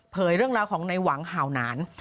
เรื่องราวของในหวังเห่าหนาน